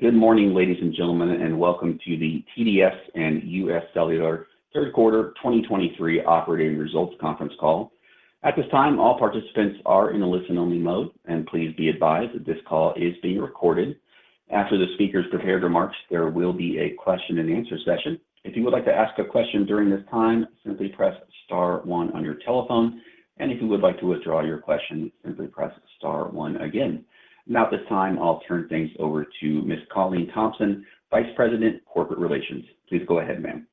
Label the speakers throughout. Speaker 1: Good morning, ladies and gentlemen, and welcome to the TDS and UScellular third quarter 2023 Operating Results Conference Call. At this time, all participants are in a listen-only mode, and please be advised that this call is being recorded. After the speakers' prepared remarks, there will be a question-and-answer session. If you would like to ask a question during this time, simply press star one on your telephone, and if you would like to withdraw your question, simply press star one again. Now, at this time, I'll turn things over to Ms. Colleen Thompson, Vice President, Corporate Relations. Please go ahead, ma'am.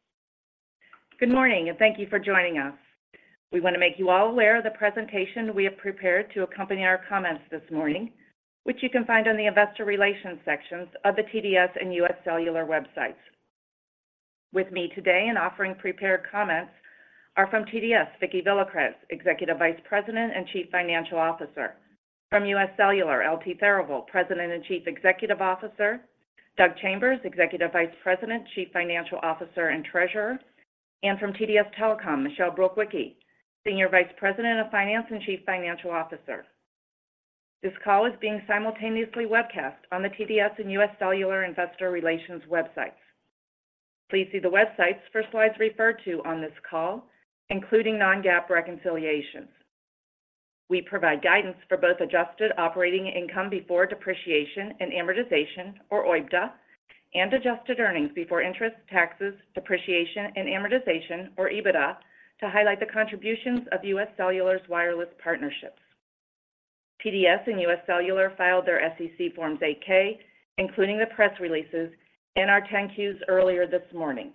Speaker 2: Good morning, and thank you for joining us. We want to make you all aware of the presentation we have prepared to accompany our comments this morning, which you can find on the Investor Relations sections of the TDS and UScellular websites. With me today and offering prepared comments are from TDS, Vicki Villacrez, Executive Vice President and Chief Financial Officer, from UScellular, L.T. Therivel, President and Chief Executive Officer, Doug Chambers, Executive Vice President, Chief Financial Officer, and Treasurer, and from TDS Telecom, Michelle Brukwicki, Senior Vice President of Finance and Chief Financial Officer. This call is being simultaneously webcast on the TDS and UScellular Investor Relations websites. Please see the websites for slides referred to on this call, including non-GAAP reconciliations. We provide guidance for both adjusted operating income before depreciation and amortization, or OIBDA, and adjusted earnings before interest, taxes, depreciation, and amortization, or EBITDA, to highlight the contributions of UScellular's wireless partnerships. TDS and UScellular filed their SEC Form 8-Ks, including the press releases and our 10-Qs earlier this morning.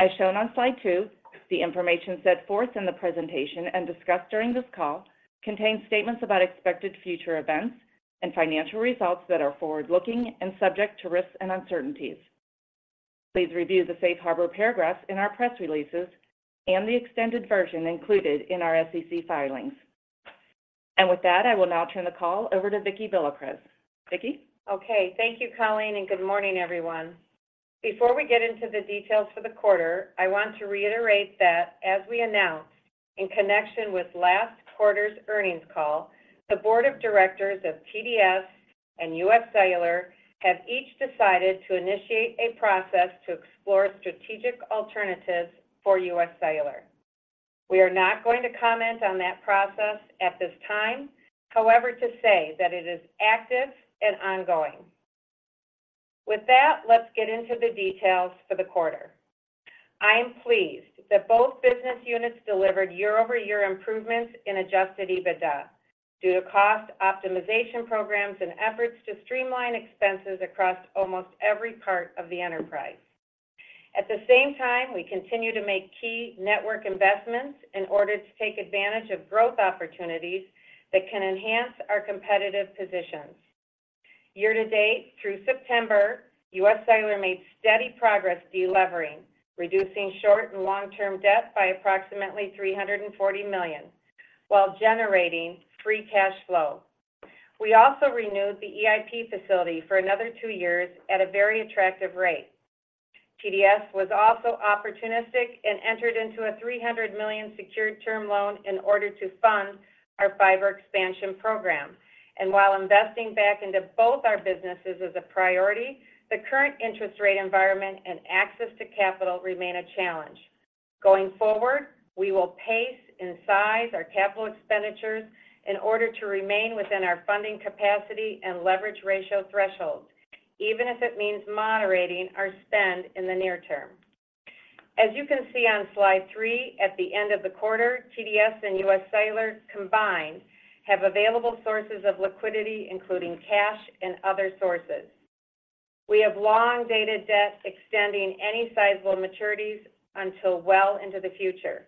Speaker 2: As shown on slide two, the information set forth in the presentation and discussed during this call contains statements about expected future events and financial results that are forward-looking and subject to risks and uncertainties. Please review the safe harbor paragraphs in our press releases and the extended version included in our SEC filings. And with that, I will now turn the call over to Vicki Villacrez. Vicki?
Speaker 3: Okay, thank you, Colleen, and good morning, everyone. Before we get into the details for the quarter, I want to reiterate that as we announced in connection with last quarter's earnings call, the board of directors of TDS and UScellular have each decided to initiate a process to explore strategic alternatives for UScellular. We are not going to comment on that process at this time, however, to say that it is active and ongoing. With that, let's get into the details for the quarter. I am pleased that both business units delivered YoY improvements in adjusted EBITDA due to cost optimization programs and efforts to streamline expenses across almost every part of the enterprise. At the same time, we continue to make key network investments in order to take advantage of growth opportunities that can enhance our competitive positions. Year to date, through September, UScellular made steady progress delevering, reducing short- and long-term debt by approximately $340 million, while generating free cash flow. We also renewed the EIP facility for another two years at a very attractive rate. TDS was also opportunistic and entered into a $300 million secured term loan in order to fund our fiber expansion program. While investing back into both our businesses is a priority, the current interest rate environment and access to capital remain a challenge. Going forward, we will pace and size our capital expenditures in order to remain within our funding capacity and leverage ratio thresholds, even if it means moderating our spend in the near term. As you can see on slide 3, at the end of the quarter, TDS and UScellular combined have available sources of liquidity, including cash and other sources. We have long-dated debt extending any sizable maturities until well into the future.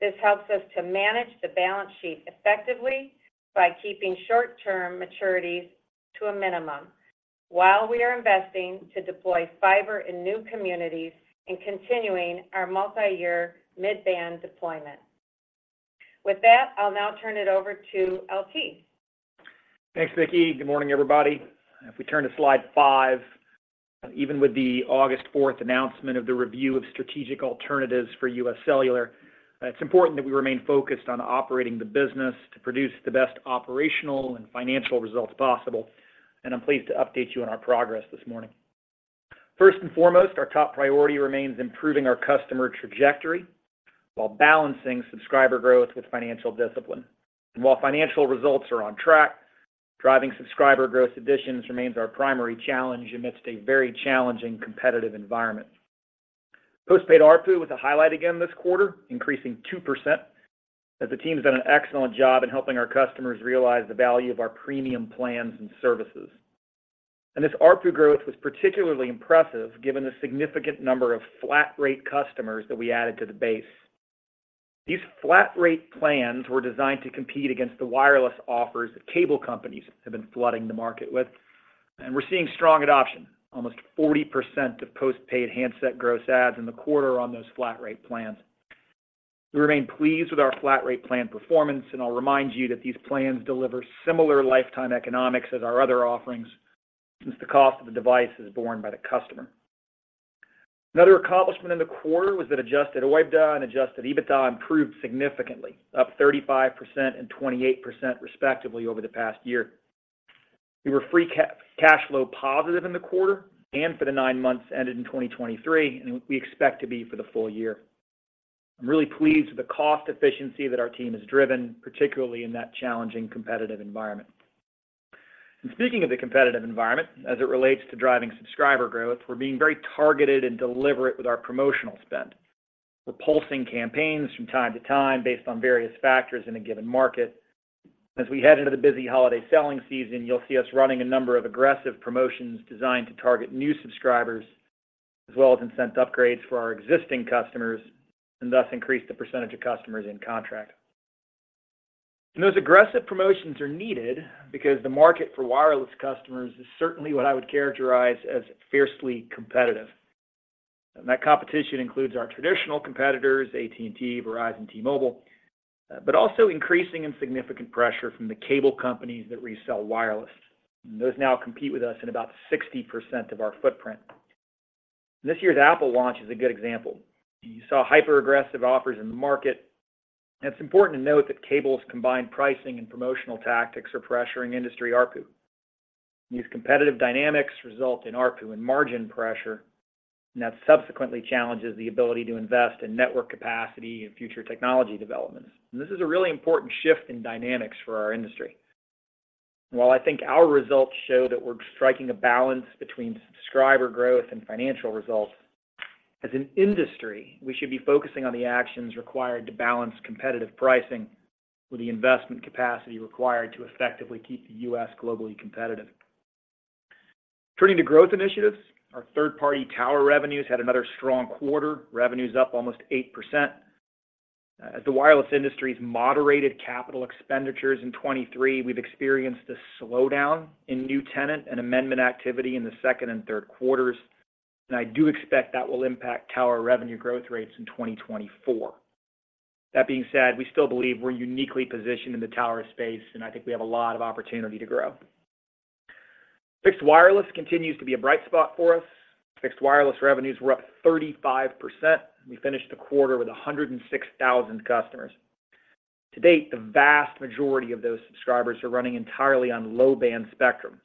Speaker 3: This helps us to manage the balance sheet effectively by keeping short-term maturities to a minimum, while we are investing to deploy fiber in new communities and continuing our multi-year mid-band deployment. With that, I'll now turn it over to L.T..
Speaker 4: Thanks, Vicki. Good morning, everybody. If we turn to slide 5, even with the August fourth announcement of the review of strategic alternatives for UScellular, it's important that we remain focused on operating the business to produce the best operational and financial results possible. And I'm pleased to update you on our progress this morning. First and foremost, our top priority remains improving our customer trajectory while balancing subscriber growth with financial discipline. While financial results are on track, driving subscriber growth additions remains our primary challenge amidst a very challenging competitive environment. Postpaid ARPU was a highlight again this quarter, increasing 2%, as the team has done an excellent job in helping our customers realize the value of our premium plans and services. And this ARPU growth was particularly impressive given the significant number of flat rate customers that we added to the base. These flat rate plans were designed to compete against the wireless offers that cable companies have been flooding the market with, and we're seeing strong adoption. Almost 40% of postpaid handset gross adds in the quarter are on those flat rate plans. We remain pleased with our flat rate plan performance, and I'll remind you that these plans deliver similar lifetime economics as our other offerings, since the cost of the device is borne by the customer. Another accomplishment in the quarter was that adjusted OIBDA and adjusted EBITDA improved significantly, up 35% and 28% respectively over the past year. We were free cash flow positive in the quarter and for the nine months ended in 2023, and we expect to be for the full year. I'm really pleased with the cost efficiency that our team has driven, particularly in that challenging competitive environment. Speaking of the competitive environment, as it relates to driving subscriber growth, we're being very targeted and deliberate with our promotional spend. We're pulsing campaigns from time to time based on various factors in a given market. As we head into the busy holiday selling season, you'll see us running a number of aggressive promotions designed to target new subscribers, as well as incent upgrades for our existing customers, and thus increase the percentage of customers in contract. Those aggressive promotions are needed because the market for wireless customers is certainly what I would characterize as fiercely competitive. That competition includes our traditional competitors, AT&T, Verizon, T-Mobile, but also increasing and significant pressure from the cable companies that resell wireless. Those now compete with us in about 60% of our footprint. This year's Apple launch is a good example. You saw hyper-aggressive offers in the market, and it's important to note that cable's combined pricing and promotional tactics are pressuring industry ARPU. These competitive dynamics result in ARPU and margin pressure, and that subsequently challenges the ability to invest in network capacity and future technology developments. And this is a really important shift in dynamics for our industry. While I think our results show that we're striking a balance between subscriber growth and financial results, as an industry, we should be focusing on the actions required to balance competitive pricing with the investment capacity required to effectively keep the U.S. globally competitive. Turning to growth initiatives, our third-party tower revenues had another strong quarter, revenues up almost 8%. As the wireless industry's moderated capital expenditures in 2023, we've experienced a slowdown in new tenant and amendment activity in the second and third quarters, and I do expect that will impact tower revenue growth rates in 2024. That being said, we still believe we're uniquely positioned in the tower space, and I think we have a lot of opportunity to grow. Fixed wireless continues to be a bright spot for us. Fixed wireless revenues were up 35%. We finished the quarter with 106,000 customers. To date, the vast majority of those subscribers are running entirely on low-band spectrum.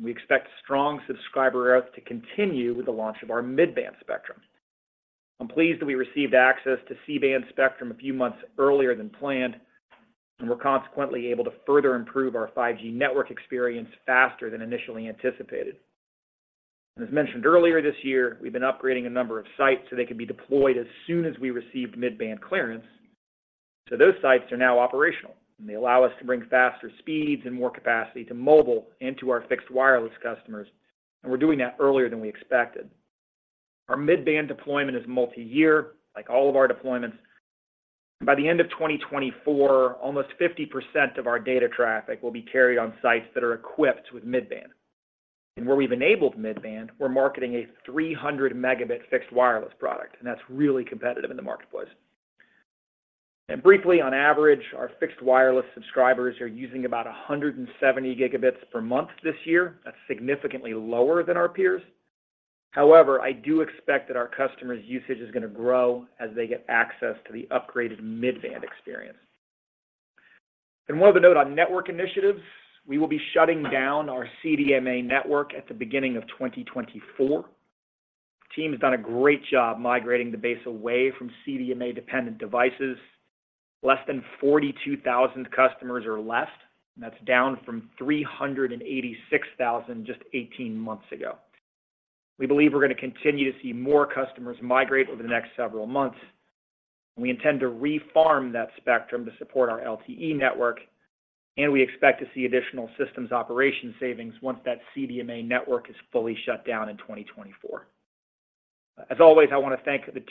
Speaker 4: We expect strong subscriber growth to continue with the launch of our mid-band spectrum. I'm pleased that we received access to C-band spectrum a few months earlier than planned, and we're consequently able to further improve our 5G network experience faster than initially anticipated. As mentioned earlier this year, we've been upgrading a number of sites so they can be deployed as soon as we received mid-band clearance. So those sites are now operational, and they allow us to bring faster speeds and more capacity to mobile and to our fixed wireless customers, and we're doing that earlier than we expected. Our mid-band deployment is multi-year, like all of our deployments. By the end of 2024, almost 50% of our data traffic will be carried on sites that are equipped with mid-band. And where we've enabled mid-band, we're marketing a 300 Mbps fixed wireless product, and that's really competitive in the marketplace. And briefly, on average, our fixed wireless subscribers are using about 170 GB per month this year. That's significantly lower than our peers. However, I do expect that our customers' usage is going to grow as they get access to the upgraded mid-band experience. One other note on network initiatives, we will be shutting down our CDMA network at the beginning of 2024. Team has done a great job migrating the base away from CDMA-dependent devices. Less than 42,000 customers are left, and that's down from 386,000 just 18 months ago. We believe we're going to continue to see more customers migrate over the next several months, and we intend to re-farm that spectrum to support our LTE network, and we expect to see additional systems operation savings once that CDMA network is fully shut down in 2024. As always, I want to thank the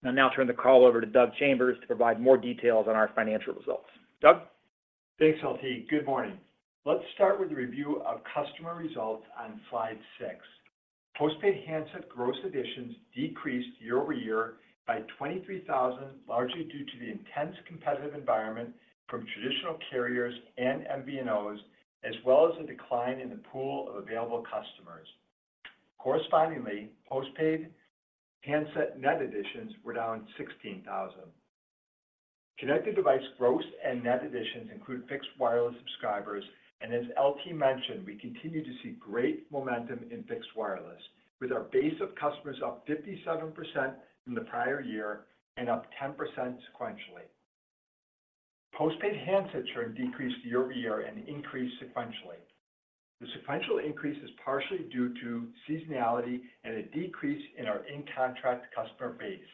Speaker 4: team for all their hard work and continued dedication. I'll now turn the call over to Doug Chambers to provide more details on our financial results. Doug?
Speaker 5: Thanks, L.T. Good morning. Let's start with a review of customer results on slide 6. Postpaid handset gross additions decreased YoY by 23,000, largely due to the intense competitive environment from traditional carriers and MVNOs, as well as a decline in the pool of available customers. Correspondingly, postpaid handset net additions were down 16,000. Connected device gross and net additions include fixed wireless subscribers, and as L.T. mentioned, we continue to see great momentum in fixed wireless, with our base of customers up 57% from the prior year and up 10% sequentially. Postpaid handset churn decreased YoY and increased sequentially. The sequential increase is partially due to seasonality and a decrease in our in-contract customer base.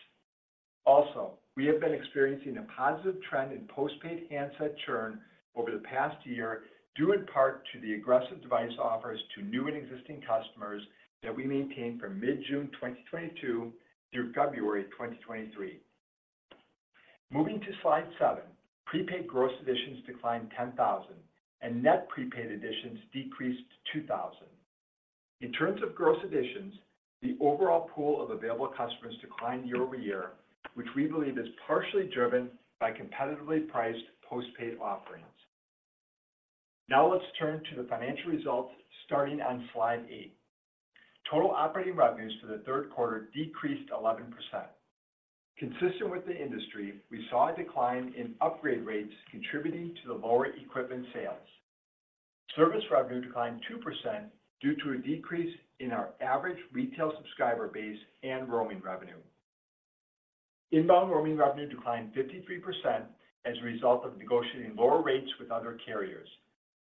Speaker 5: Also, we have been experiencing a positive trend in postpaid handset churn over the past year, due in part to the aggressive device offers to new and existing customers that we maintained from mid-June 2022 through February 2023. Moving to slide seven, prepaid gross additions declined 10,000, and net prepaid additions decreased to 2,000. In terms of gross additions, the overall pool of available customers declined YoY, which we believe is partially driven by competitively priced postpaid offerings... Now let's turn to the financial results, starting on slide eight. Total operating revenues for the third quarter decreased 11%. Consistent with the industry, we saw a decline in upgrade rates, contributing to the lower equipment sales. Service revenue declined 2% due to a decrease in our average retail subscriber base and roaming revenue. Inbound roaming revenue declined 53% as a result of negotiating lower rates with other carriers.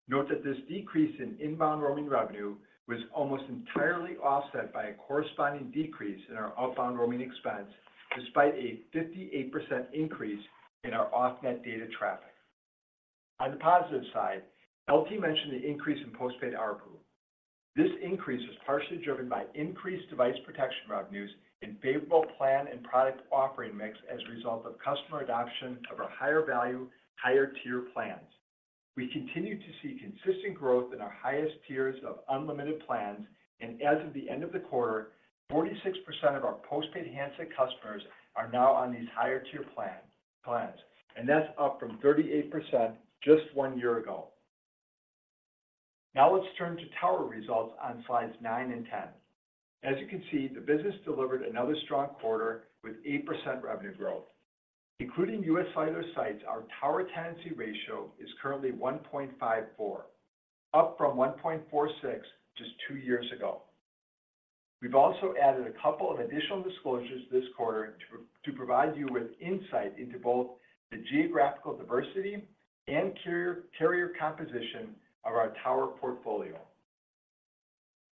Speaker 5: Note that this decrease in inbound roaming revenue was almost entirely offset by a corresponding decrease in our outbound roaming expense, despite a 58% increase in our off-net data traffic. On the positive side, L.T. mentioned the increase in postpaid ARPU. This increase was partially driven by increased device protection revenues and favorable plan and product offering mix as a result of customer adoption of our higher value, higher-tier plans. We continue to see consistent growth in our highest tiers of unlimited plans, and as of the end of the quarter, 46% of our postpaid handset customers are now on these higher-tier plan, plans, and that's up from 38% just one year ago. Now let's turn to tower results on slides nine and 10. As you can see, the business delivered another strong quarter with 8% revenue growth. Including UScellular sites, our tower tenancy ratio is currently 1.54, up from 1.46 just two years ago. We've also added a couple of additional disclosures this quarter to provide you with insight into both the geographical diversity and carrier composition of our tower portfolio.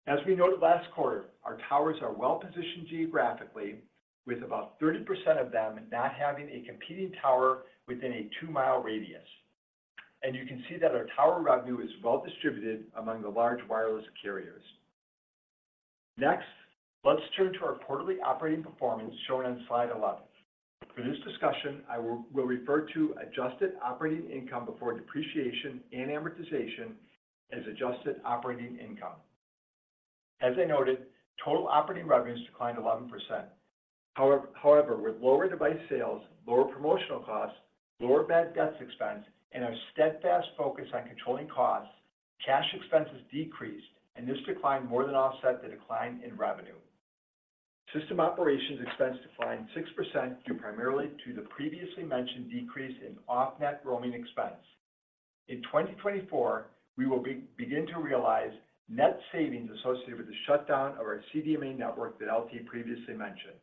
Speaker 5: As we noted last quarter, our towers are well-positioned geographically, with about 30% of them not having a competing tower within a two-mile radius, and you can see that our tower revenue is well distributed among the large wireless carriers. Next, let's turn to our quarterly operating performance, shown on slide 11. For this discussion, I will refer to adjusted operating income before depreciation and amortization as adjusted operating income. As I noted, total operating revenues declined 11%. However, with lower device sales, lower promotional costs, lower bad debts expense, and our steadfast focus on controlling costs, cash expenses decreased, and this decline more than offset the decline in revenue. System operations expense declined 6%, due primarily to the previously mentioned decrease in off-net roaming expense. In 2024, we will begin to realize net savings associated with the shutdown of our CDMA network that L.T. previously mentioned,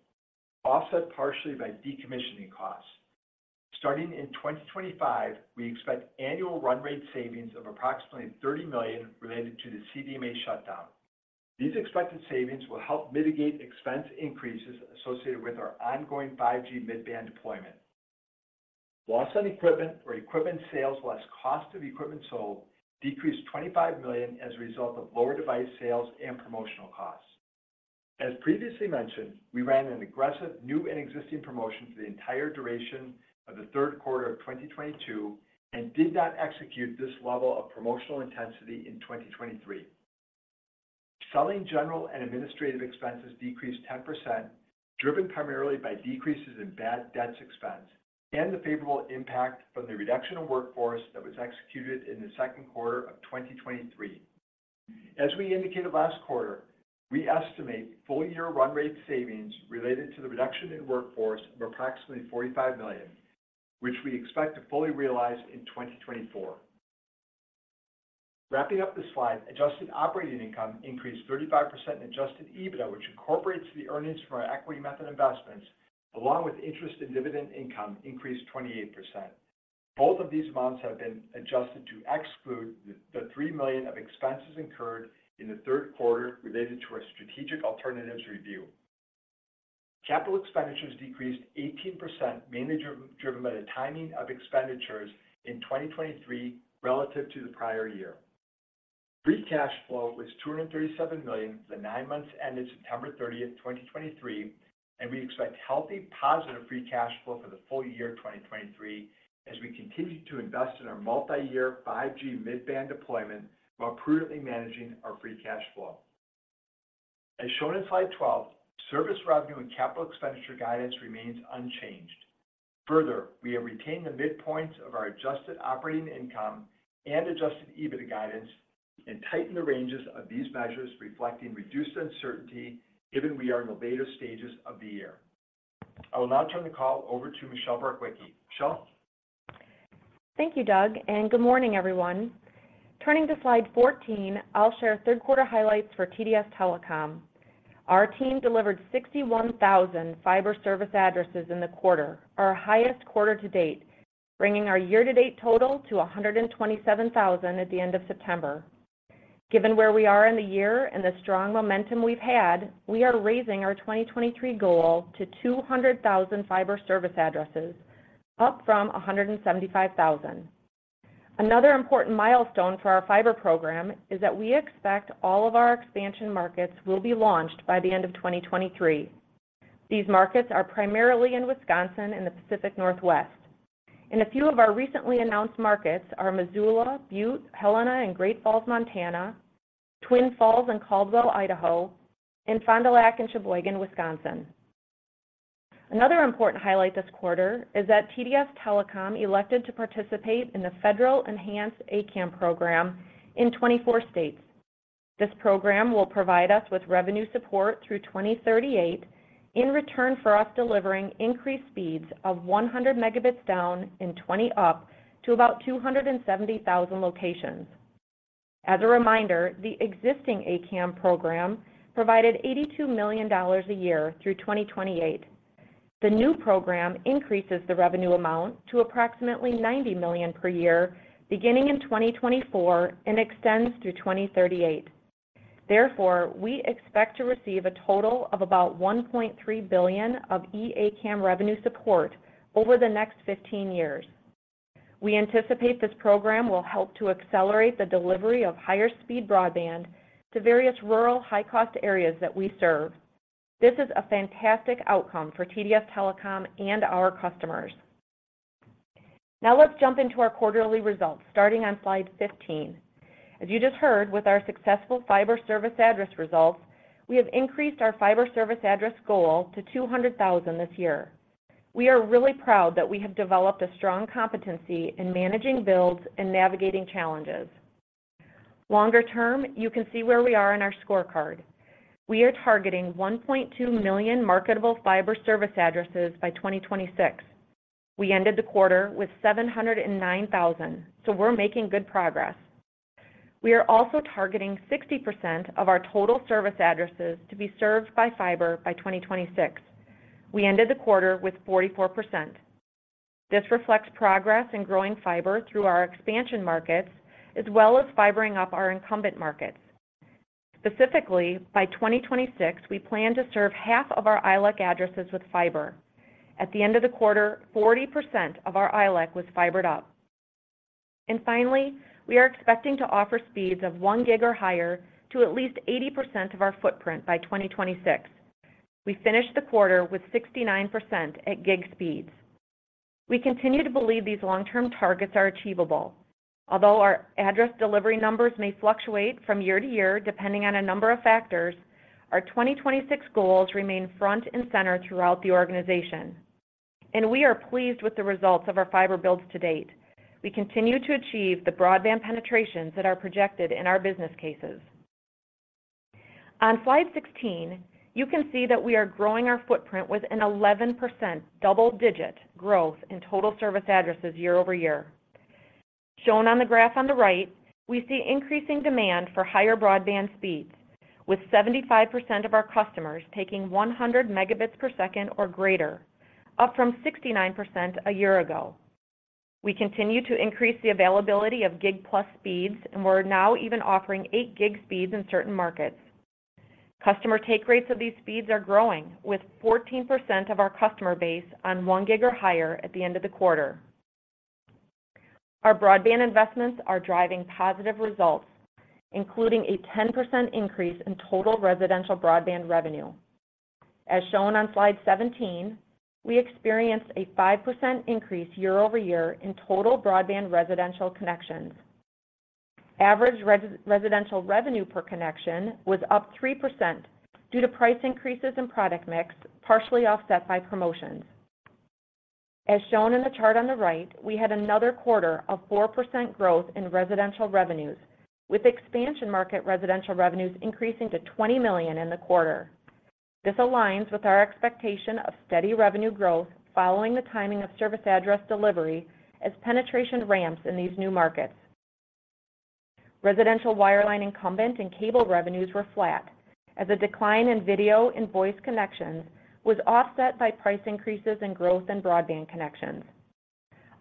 Speaker 5: offset partially by decommissioning costs. Starting in 2025, we expect annual run rate savings of approximately $30 million related to the CDMA shutdown. These expected savings will help mitigate expense increases associated with our ongoing 5G mid-band deployment. Loss on equipment or equipment sales less cost of equipment sold, decreased $25 million as a result of lower device sales and promotional costs. As previously mentioned, we ran an aggressive new and existing promotion for the entire duration of the third quarter of 2022 and did not execute this level of promotional intensity in 2023. Selling general and administrative expenses decreased 10%, driven primarily by decreases in bad debts expense and the favorable impact from the reduction in workforce that was executed in the second quarter of 2023. As we indicated last quarter, we estimate full-year run rate savings related to the reduction in workforce of approximately $45 million, which we expect to fully realize in 2024. Wrapping up the slide, adjusted operating income increased 35%, and adjusted EBITDA, which incorporates the earnings from our equity method investments along with interest and dividend income, increased 28%. Both of these amounts have been adjusted to exclude the three million of expenses incurred in the third quarter related to our strategic alternatives review. Capital expenditures decreased 18%, mainly driven by the timing of expenditures in 2023 relative to the prior year. Free cash flow was $237 million for the nine months ended September 30th, 2023, and we expect healthy, positive free cash flow for the full year 2023 as we continue to invest in our multi-year 5G mid-band deployment while prudently managing our free cash flow. As shown in slide 12, service revenue and capital expenditure guidance remains unchanged. Further, we have retained the midpoints of our adjusted operating income and adjusted EBITDA guidance and tightened the ranges of these measures, reflecting reduced uncertainty given we are in the later stages of the year. I will now turn the call over to Michelle Brukwicki. Michelle?
Speaker 6: Thank you, Doug, and good morning, everyone. Turning to slide 14, I'll share third-quarter highlights for TDS Telecom. Our team delivered 61,000 fiber service addresses in the quarter, our highest quarter to date, bringing our year-to-date total to 127,000 at the end of September. Given where we are in the year and the strong momentum we've had, we are raising our 2023 goal to 200,000 fiber service addresses, up from 175,000. Another important milestone for our fiber program is that we expect all of our expansion markets will be launched by the end of 2023. These markets are primarily in Wisconsin and the Pacific Northwest. In a few of our recently announced markets are Missoula, Butte, Helena, and Great Falls, Montana, Twin Falls and Caldwell, Idaho, and Fond du Lac and Sheboygan, Wisconsin.... Another important highlight this quarter is that TDS Telecom elected to participate in the Federal Enhanced ACAM program in 24 states. This program will provide us with revenue support through 2038, in return for us delivering increased speeds of 100 Mbps down and 20 Mbps up to about 270,000 locations. As a reminder, the existing ACAM program provided $82 million a year through 2028. The new program increases the revenue amount to approximately $90 million per year, beginning in 2024 and extends through 2038. Therefore, we expect to receive a total of about $1.3 billion of E-ACAM revenue support over the next 15 years. We anticipate this program will help to accelerate the delivery of higher speed broadband to various rural high-cost areas that we serve. This is a fantastic outcome for TDS Telecom and our customers. Now let's jump into our quarterly results, starting on slide 15. As you just heard, with our successful fiber service address results, we have increased our fiber service address goal to 200,000 this year. We are really proud that we have developed a strong competency in managing builds and navigating challenges. Longer term, you can see where we are in our scorecard. We are targeting 1.2 million marketable fiber service addresses by 2026. We ended the quarter with 709,000, so we're making good progress. We are also targeting 60% of our total service addresses to be served by fiber by 2026. We ended the quarter with 44%. This reflects progress in growing fiber through our expansion markets, as well as fibering up our incumbent markets. Specifically, by 2026, we plan to serve half of our ILEC addresses with fiber. At the end of the quarter, 40% of our ILEC was fibered up. And finally, we are expecting to offer speeds of one gig or higher to at least 80% of our footprint by 2026. We finished the quarter with 69% at gig speeds. We continue to believe these long-term targets are achievable, although our address delivery numbers may fluctuate from year to year, depending on a number of factors. Our 2026 goals remain front and center throughout the organization, and we are pleased with the results of our fiber builds to date. We continue to achieve the broadband penetrations that are projected in our business cases. On slide 16, you can see that we are growing our footprint with an 11% double-digit growth in total service addresses YoY. Shown on the graph on the right, we see increasing demand for higher broadband speeds, with 75% of our customers taking 100 megabits per second or greater, up from 69% a year ago. We continue to increase the availability of gig plus speeds, and we're now even offering eight gig speeds in certain markets. Customer take rates of these speeds are growing, with 14% of our customer base on one gig or higher at the end of the quarter. Our broadband investments are driving positive results, including a 10% increase in total residential broadband revenue. As shown on slide 17, we experienced a 5% increase YoY in total broadband residential connections. Average residential revenue per connection was up 3% due to price increases in product mix, partially offset by promotions. As shown in the chart on the right, we had another quarter of 4% growth in residential revenues, with expansion market residential revenues increasing to $20 million in the quarter. This aligns with our expectation of steady revenue growth following the timing of service address delivery as penetration ramps in these new markets. Residential wireline incumbent and cable revenues were flat as a decline in video and voice connections was offset by price increases in growth and broadband connections.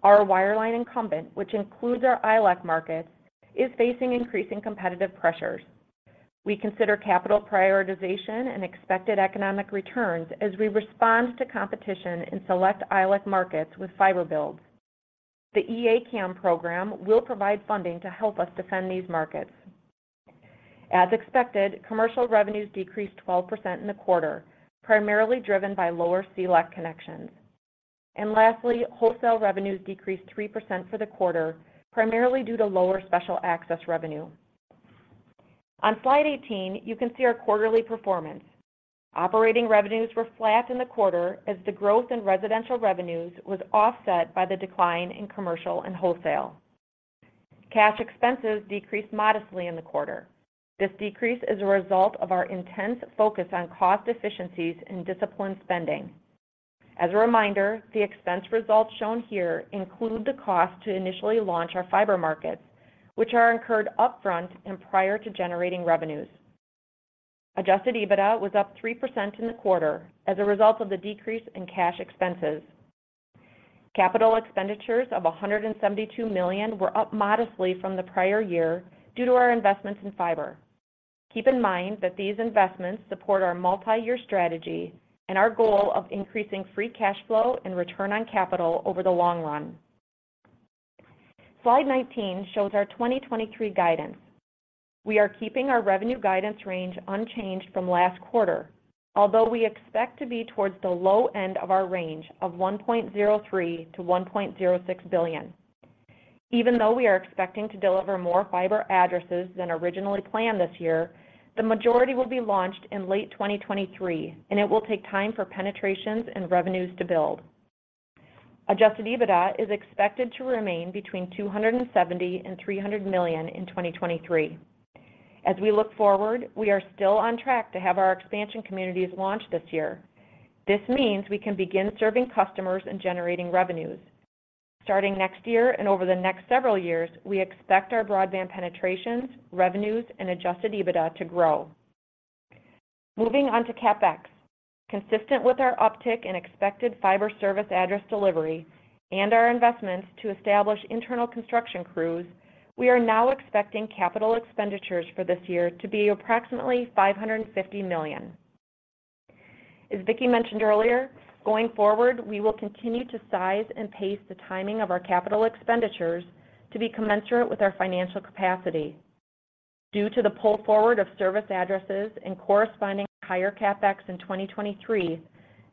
Speaker 6: Our wireline incumbent, which includes our ILEC markets, is facing increasing competitive pressures. We consider capital prioritization and expected economic returns as we respond to competition in select ILEC markets with fiber builds. The E-ACAM program will provide funding to help us defend these markets. As expected, commercial revenues decreased 12% in the quarter, primarily driven by lower CLEC connections. Lastly, wholesale revenues decreased 3% for the quarter, primarily due to lower special access revenue. On slide 18, you can see our quarterly performance. Operating revenues were flat in the quarter as the growth in residential revenues was offset by the decline in commercial and wholesale. Cash expenses decreased modestly in the quarter. This decrease is a result of our intense focus on cost efficiencies and disciplined spending. As a reminder, the expense results shown here include the cost to initially launch our fiber markets, which are incurred upfront and prior to generating revenues. Adjusted EBITDA was up 3% in the quarter as a result of the decrease in cash expenses. Capital expenditures of $172 million were up modestly from the prior year due to our investments in fiber. Keep in mind that these investments support our multi-year strategy and our goal of increasing free cash flow and return on capital over the long run. Slide 19 shows our 2023 guidance. We are keeping our revenue guidance range unchanged from last quarter, although we expect to be towards the low end of our range of $1.03-$1.06 billion, even though we are expecting to deliver more fiber addresses than originally planned this year, the majority will be launched in late 2023, and it will take time for penetrations and revenues to build. Adjusted EBITDA is expected to remain between $270 million and $300 million in 2023. As we look forward, we are still on track to have our expansion communities launched this year. This means we can begin serving customers and generating revenues. Starting next year and over the next several years, we expect our broadband penetrations, revenues, and adjusted EBITDA to grow. Moving on to CapEx. Consistent with our uptick in expected fiber service address delivery and our investments to establish internal construction crews, we are now expecting capital expenditures for this year to be approximately $550 million. As Vicki mentioned earlier, going forward, we will continue to size and pace the timing of our capital expenditures to be commensurate with our financial capacity. Due to the pull forward of service addresses and corresponding higher CapEx in 2023,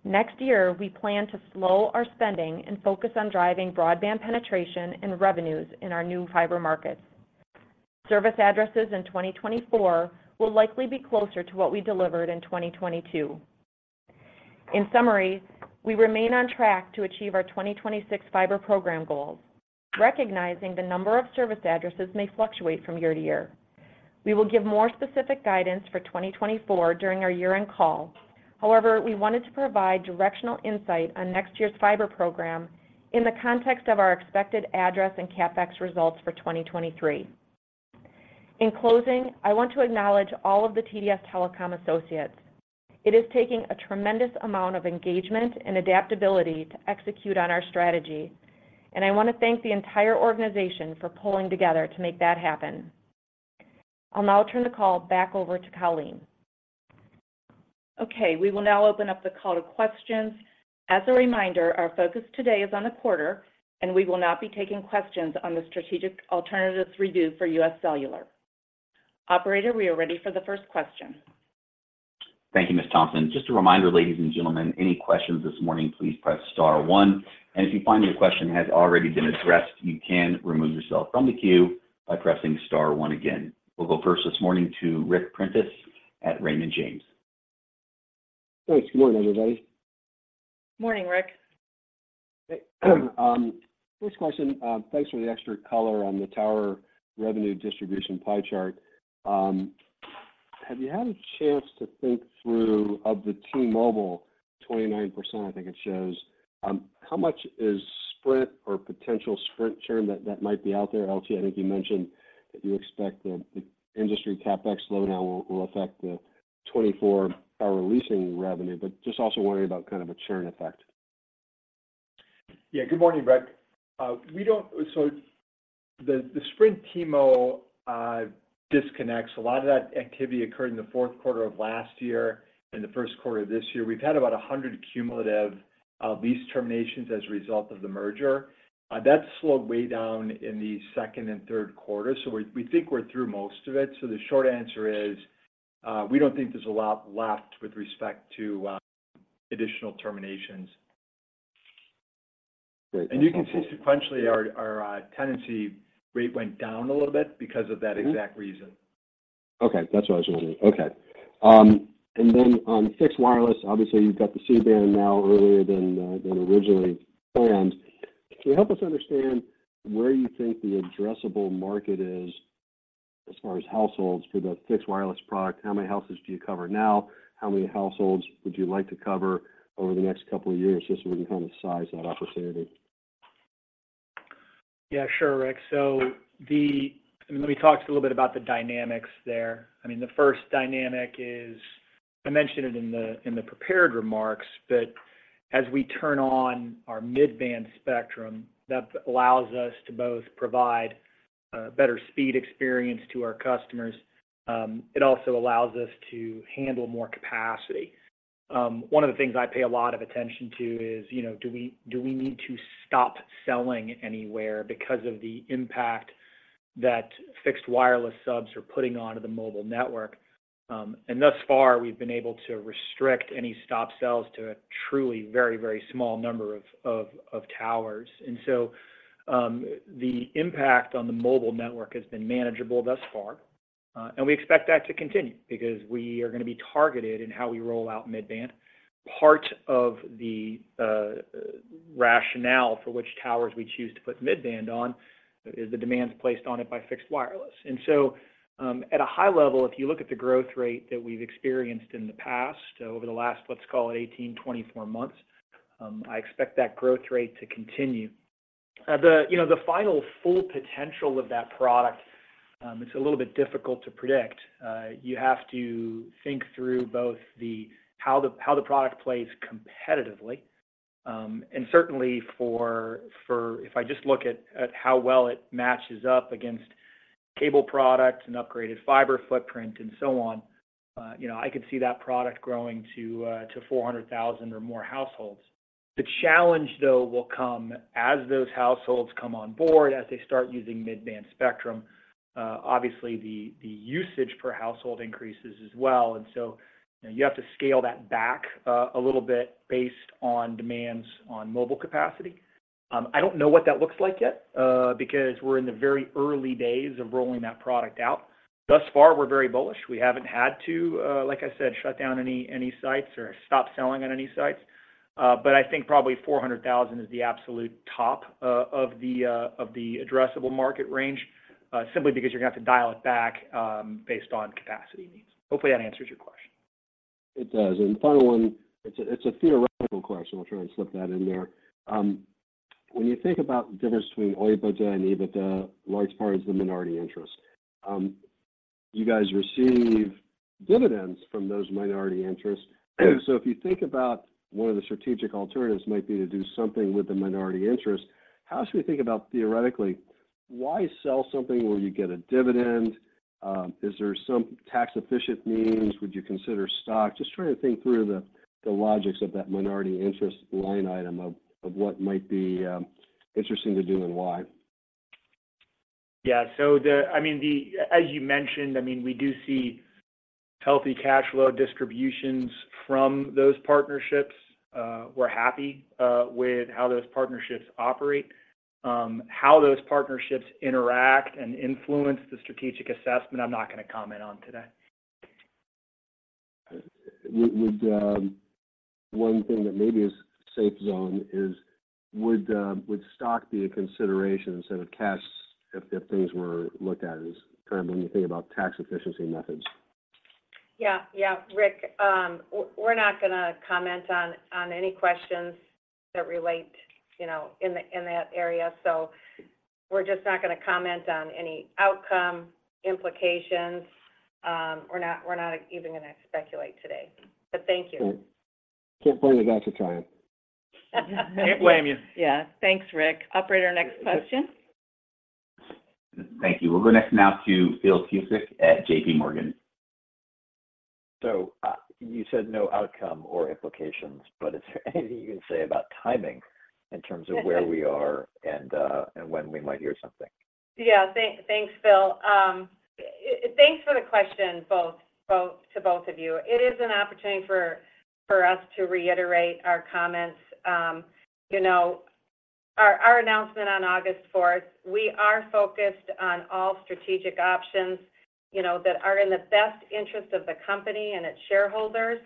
Speaker 6: next year, we plan to slow our spending and focus on driving broadband penetration and revenues in our new fiber markets. Service addresses in 2024 will likely be closer to what we delivered in 2022. In summary, we remain on track to achieve our 2026 fiber program goals, recognizing the number of service addresses may fluctuate from year to year. We will give more specific guidance for 2024 during our year-end call. However, we wanted to provide directional insight on next year's fiber program in the context of our expected address and CapEx results for 2023. In closing, I want to acknowledge all of the TDS Telecom associates. It is taking a tremendous amount of engagement and adaptability to execute on our strategy, and I want to thank the entire organization for pulling together to make that happen. I'll now turn the call back over to Colleen.
Speaker 2: Okay, we will now open up the call to questions. As a reminder, our focus today is on the quarter, and we will not be taking questions on the strategic alternatives review for UScellular. Operator, we are ready for the first question.
Speaker 1: Thank you, Ms. Thompson. Just a reminder, ladies and gentlemen, any questions this morning, please press star one. If you find your question has already been addressed, you can remove yourself from the queue by pressing star one again. We'll go first this morning to Ric Prentiss at Raymond James.
Speaker 7: Thanks. Good morning, everybody.
Speaker 6: Morning, Ric.
Speaker 7: First question, thanks for the extra color on the tower revenue distribution pie chart. Have you had a chance to think through, of the T-Mobile, 29%, I think it shows, how much is Sprint or potential Sprint churn that might be out there? L.T., I think you mentioned that you expect the industry CapEx slowdown will affect the 24-hour leasing revenue, but just also wondering about kind of a churn effect.
Speaker 4: Yeah. Good morning, Ric. We don't. So the Sprint T-Mo disconnects, a lot of that activity occurred in the fourth quarter of last year and the first quarter of this year. We've had about 100 cumulative lease terminations as a result of the merger. That slowed way down in the second and third quarter, so we think we're through most of it. So the short answer is, we don't think there's a lot left with respect to additional terminations.
Speaker 7: Great.
Speaker 4: You can see sequentially, our tenancy rate went down a little bit because of that exact reason.
Speaker 7: Okay. That's what I was wondering. Okay. And then on fixed wireless, obviously, you've got the C-band now earlier than originally planned. Can you help us understand where you think the addressable market is as far as households for the fixed wireless product? How many houses do you cover now? How many households would you like to cover over the next couple of years, just so we can kind of size that opportunity?
Speaker 4: Yeah, sure, Ric. So let me talk a little bit about the dynamics there. I mean, the first dynamic is, I mentioned it in the prepared remarks, but as we turn on our mid-band spectrum, that allows us to both provide better speed experience to our customers. It also allows us to handle more capacity. One of the things I pay a lot of attention to is, you know, do we need to stop selling anywhere because of the impact that fixed wireless subs are putting onto the mobile network? And thus far, we've been able to restrict any stop sells to a truly very, very small number of towers. And so, the impact on the mobile network has been manageable thus far, and we expect that to continue because we are gonna be targeted in how we roll out mid-band. Part of the rationale for which towers we choose to put mid-band on is the demands placed on it by fixed wireless. And so, at a high level, if you look at the growth rate that we've experienced in the past, over the last, let's call it 18, 24 months, I expect that growth rate to continue. You know, the final full potential of that product, it's a little bit difficult to predict. You have to think through both how the product plays competitively. And certainly for... If I just look at how well it matches up against cable products and upgraded fiber footprint and so on, you know, I could see that product growing to 400,000 or more households. The challenge, though, will come as those households come on board, as they start using mid-band spectrum. Obviously, the usage per household increases as well, and so you have to scale that back a little bit based on demands on mobile capacity.... I don't know what that looks like yet, because we're in the very early days of rolling that product out. Thus far, we're very bullish. We haven't had to, like I said, shut down any sites or stop selling on any sites. But I think probably 400,000 is the absolute top of the addressable market range, simply because you're gonna have to dial it back, based on capacity needs. Hopefully, that answers your question.
Speaker 7: It does. Final one, it's a theoretical question. I'll try and slip that in there. When you think about the difference between OIBDA and EBITDA, large part is the minority interest. You guys receive dividends from those minority interests. So if you think about one of the strategic alternatives might be to do something with the minority interest, how should we think about theoretically, why sell something where you get a dividend? Is there some tax-efficient means? Would you consider stock? Just trying to think through the logics of that minority interest line item of what might be interesting to do and why.
Speaker 4: Yeah. So, I mean, the—as you mentioned, I mean, we do see healthy cash flow distributions from those partnerships. We're happy with how those partnerships operate. How those partnerships interact and influence the strategic assessment, I'm not going to comment on today.
Speaker 7: One thing that maybe is safe zone is, would stock be a consideration instead of cash if things were looked at as kind of when you think about tax efficiency methods?
Speaker 3: Yeah. Yeah, Ric, we're not going to comment on any questions that relate, you know, in that area. So we're just not going to comment on any outcome, implications. We're not even going to speculate today. But thank you.
Speaker 7: Can't blame you guys for trying.
Speaker 4: Can't blame you.
Speaker 3: Yeah. Thanks, Ric. Operator, next question.
Speaker 1: Thank you. We'll go next now to Phil Cusick at JPMorgan.
Speaker 8: You said no outcome or implications, but is there anything you can say about timing in terms of where we are and when we might hear something?
Speaker 3: Yeah. Thanks, Phil. Thanks for the question, both to both of you. It is an opportunity for us to reiterate our comments. You know, our announcement on August fourth, we are focused on all strategic options, you know, that are in the best interest of the company and its shareholders.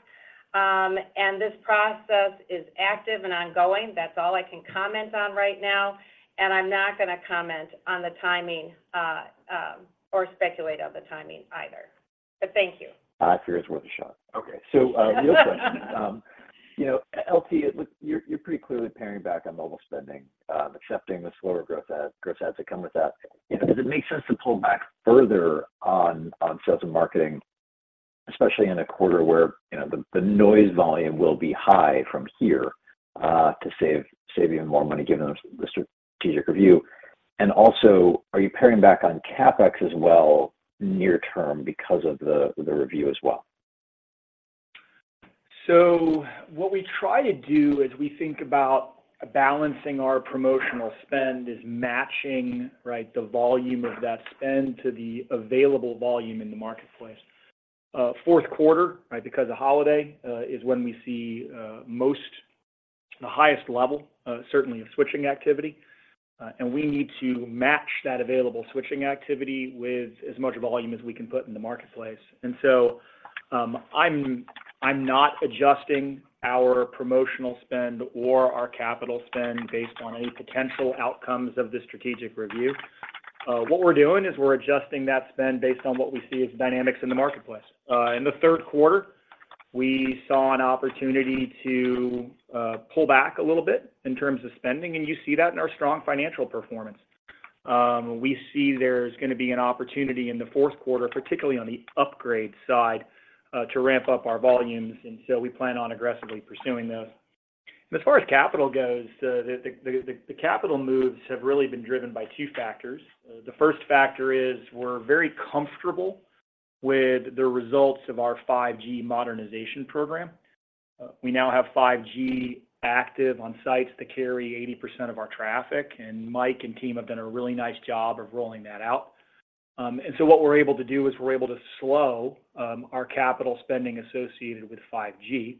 Speaker 3: And this process is active and ongoing. That's all I can comment on right now, and I'm not going to comment on the timing or speculate on the timing either. But thank you.
Speaker 8: I figure it's worth a shot. Okay. So, real question, you know, L.T., it looks—you're, you're pretty clearly paring back on mobile spending, accepting the slower growth as growth odds that come with that. You know, does it make sense to pull back further on, on sales and marketing, especially in a quarter where, you know, the, the noise volume will be high from here, to save even more money, given the, the strategic review? And also, are you paring back on CapEx as well near term because of the, the review as well?
Speaker 4: So what we try to do as we think about balancing our promotional spend is matching, right, the volume of that spend to the available volume in the marketplace. Fourth quarter, right, because of holiday, is when we see most the highest level certainly of switching activity. And we need to match that available switching activity with as much volume as we can put in the marketplace. And so, I'm not adjusting our promotional spend or our capital spend based on any potential outcomes of the strategic review. What we're doing is we're adjusting that spend based on what we see as dynamics in the marketplace. In the third quarter, we saw an opportunity to pull back a little bit in terms of spending, and you see that in our strong financial performance. We see there's going to be an opportunity in the fourth quarter, particularly on the upgrade side, to ramp up our volumes, and so we plan on aggressively pursuing those. As far as capital goes, the capital moves have really been driven by two factors. The first factor is we're very comfortable with the results of our 5G modernization program. We now have 5G active on sites that carry 80% of our traffic, and Mike and team have done a really nice job of rolling that out. And so what we're able to do is we're able to slow our capital spending associated with 5G,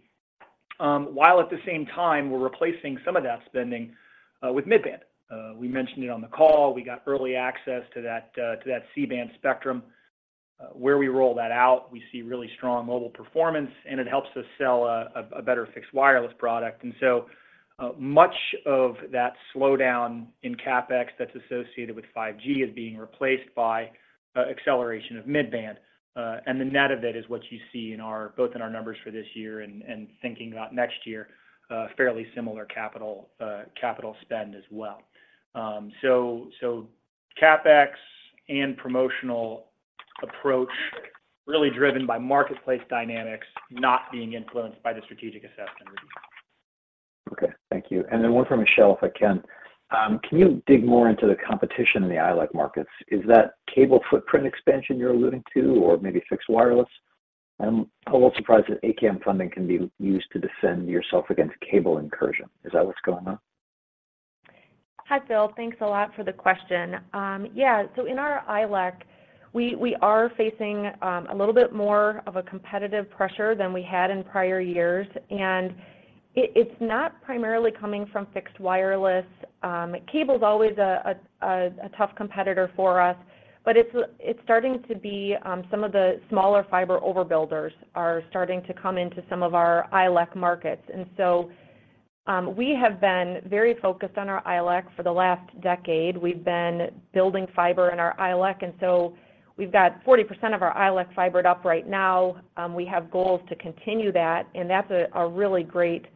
Speaker 4: while at the same time, we're replacing some of that spending with mid-band. We mentioned it on the call. We got early access to that C-band spectrum. Where we roll that out, we see really strong mobile performance, and it helps us sell a better fixed wireless product. And so, much of that slowdown in CapEx that's associated with 5G is being replaced by acceleration of mid-band. And the net of it is what you see in our both in our numbers for this year and thinking about next year, fairly similar capital spend as well. So, CapEx and promotional approach really driven by marketplace dynamics, not being influenced by the strategic assessment review.
Speaker 8: Okay, thank you. And then one for Michelle, if I can. Can you dig more into the competition in the ILEC markets? Is that cable footprint expansion you're alluding to or maybe fixed wireless? I'm a little surprised that ACAM funding can be used to defend yourself against cable incursion. Is that what's going on?
Speaker 6: Hi, Phil. Thanks a lot for the question. Yeah, so in our ILEC, we are facing a little bit more of a competitive pressure than we had in prior years. And-... it, it's not primarily coming from fixed wireless. Cable's always a tough competitor for us, but it's starting to be some of the smaller fiber overbuilders are starting to come into some of our ILEC markets. And so, we have been very focused on our ILEC for the last decade. We've been building fiber in our ILEC, and so we've got 40% of our ILEC fibered up right now. We have goals to continue that, and that's a really great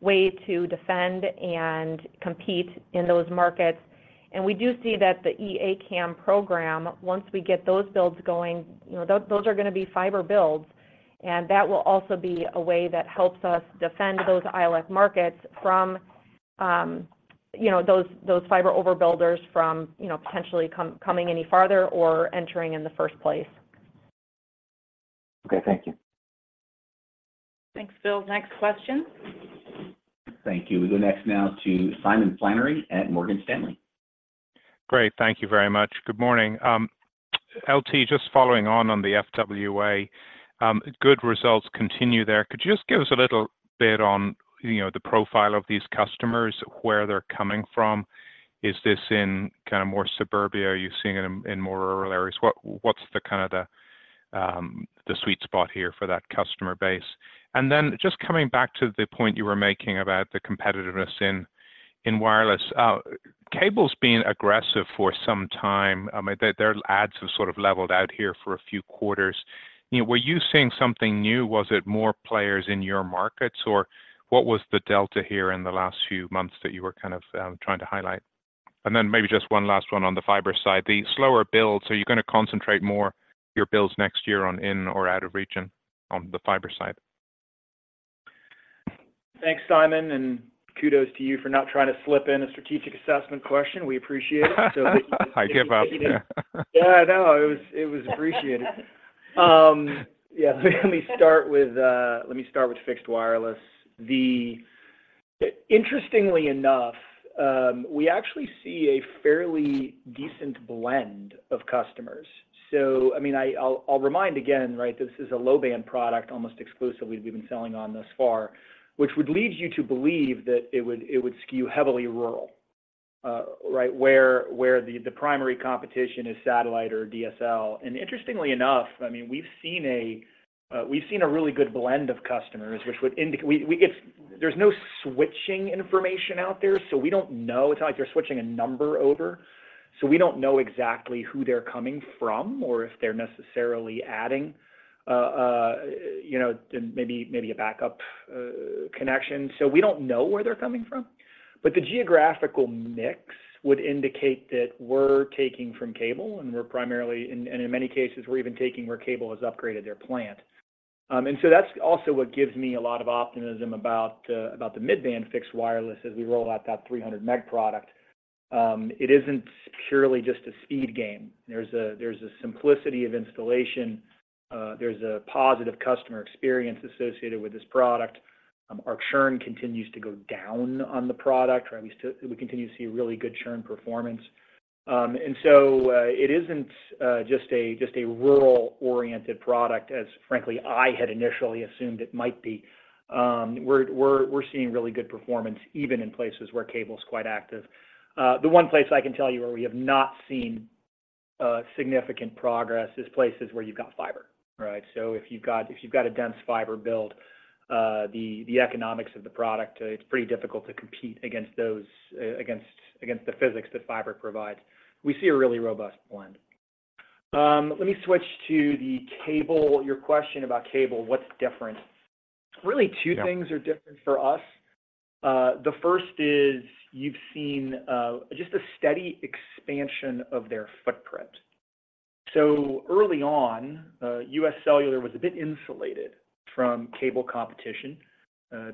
Speaker 6: way to defend and compete in those markets. We do see that the E-ACAM program, once we get those builds going, you know, those are gonna be fiber builds, and that will also be a way that helps us defend those ILEC markets from, you know, those fiber overbuilders from, you know, potentially coming any farther or entering in the first place.
Speaker 8: Okay, thank you.
Speaker 6: Thanks, Phil. Next question.
Speaker 1: Thank you. We go next now to Simon Flannery at Morgan Stanley.
Speaker 9: Great, thank you very much. Good morning L.T., just following on the FWA, good results continue there. Could you just give us a little bit on, you know, the profile of these customers, where they're coming from? Is this in kind of more suburbia, are you seeing it in more rural areas? What's the kind of sweet spot here for that customer base? And then just coming back to the point you were making about the competitiveness in wireless, cable's been aggressive for some time. I mean, their ads have sort of leveled out here for a few quarters. You know, were you seeing something new? Was it more players in your markets, or what was the delta here in the last few months that you were kind of trying to highlight? Then maybe just one last one on the fiber side. The slower builds, are you gonna concentrate more your builds next year on in or out of region on the fiber side?
Speaker 4: Thanks, Simon, and kudos to you for not trying to slip in a strategic assessment question. We appreciate it.
Speaker 9: I give up. Yeah.
Speaker 4: Yeah, I know. It was appreciated. Yeah, let me start with fixed wireless. Interestingly enough, we actually see a fairly decent blend of customers. So I mean, I'll remind again, right, this is a low-band product almost exclusively we've been selling on thus far, which would lead you to believe that it would skew heavily rural, right? Where the primary competition is satellite or DSL. And interestingly enough, I mean, we've seen a really good blend of customers, which would indicate, it's, there's no switching information out there, so we don't know. It's not like they're switching a number over, so we don't know exactly who they're coming from or if they're necessarily adding, you know, maybe a backup connection. So we don't know where they're coming from, but the geographical mix would indicate that we're taking from cable, and we're primarily in many cases even taking where cable has upgraded their plant. And so that's also what gives me a lot of optimism about the mid-band fixed wireless as we roll out that 300 meg product. It isn't purely just a speed game. There's a simplicity of installation, there's a positive customer experience associated with this product. Our churn continues to go down on the product, or at least, we continue to see really good churn performance. And so it isn't just a rural-oriented product as frankly I had initially assumed it might be. We're seeing really good performance even in places where cable's quite active. The one place I can tell you where we have not seen significant progress is places where you've got fiber, right? So if you've got a dense fiber build, the economics of the product, it's pretty difficult to compete against those against the physics that fiber provides. We see a really robust blend. Let me switch to the cable. Your question about cable, what's different?
Speaker 9: Yeah.
Speaker 4: Really, two things are different for us. The first is you've seen just a steady expansion of their footprint. So early on, UScellular was a bit insulated from cable competition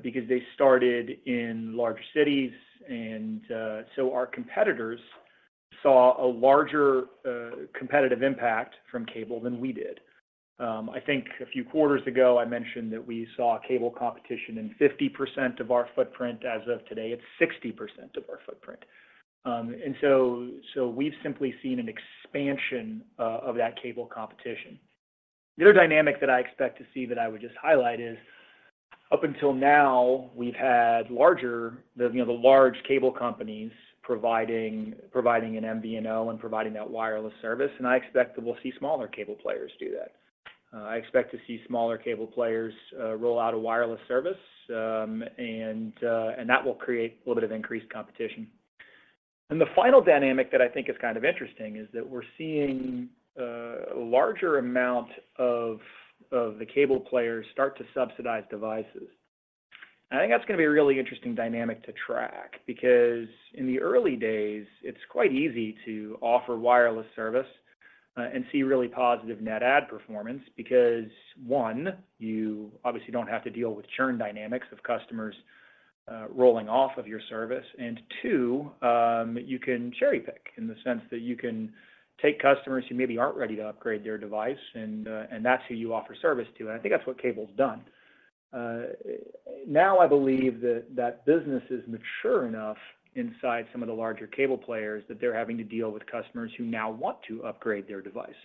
Speaker 4: because they started in larger cities, and so our competitors saw a larger competitive impact from cable than we did. I think a few quarters ago, I mentioned that we saw cable competition in 50% of our footprint. As of today, it's 60% of our footprint. And so, so we've simply seen an expansion of that cable competition. The other dynamic that I expect to see that I would just highlight is, up until now, we've had larger, the, you know, the large cable companies providing, providing an MVNO and providing that wireless service, and I expect that we'll see smaller cable players do that. I expect to see smaller cable players roll out a wireless service, and that will create a little bit of increased competition. The final dynamic that I think is kind of interesting is that we're seeing larger amount of the cable players start to subsidize devices. I think that's gonna be a really interesting dynamic to track, because in the early days, it's quite easy to offer wireless service and see really positive net add performance because, one, you obviously don't have to deal with churn dynamics of customers rolling off of your service. And two, you can cherry-pick in the sense that you can take customers who maybe aren't ready to upgrade their device, and that's who you offer service to, and I think that's what cable's done. Now, I believe that that business is mature enough inside some of the larger cable players that they're having to deal with customers who now want to upgrade their device...